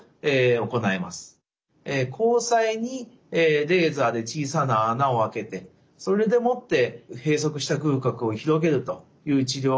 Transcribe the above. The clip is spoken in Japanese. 光彩にレーザーで小さな穴を開けてそれでもって閉塞した隅角を広げるという治療が行われます。